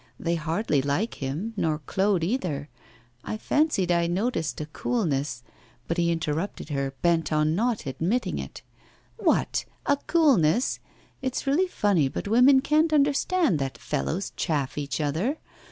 They hardly like him nor Claude either; I fancied I noticed a coolness ' But he interrupted her, bent on not admitting it. 'What! a coolness? It's really funny, but women can't understand that fellows chaff each other.